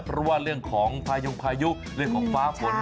เพราะว่าเรื่องของพายุงพายุเรื่องของฟ้าฝน